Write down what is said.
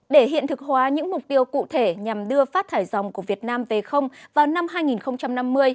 để hiện thực hóa những mục tiêu cụ thể nhằm đưa phát thải dòng của việt nam về vào năm hai nghìn năm mươi